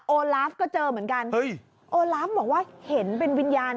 ลาฟก็เจอเหมือนกันเฮ้ยโอลาฟบอกว่าเห็นเป็นวิญญาณ